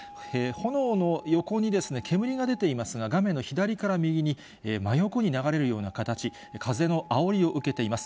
炎の横に煙が出ていますが、画面の左から右に、真横に流れるような形、風のあおりを受けています。